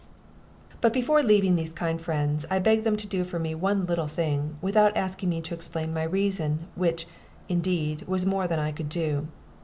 But before taking leave of these kind friends, I begged them to do for me one little thing, without asking me to explain my reason, which, indeed, was more than I could do.